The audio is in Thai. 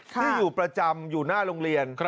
ที่อยู่ประจำอยู่หน้าโรงเรียน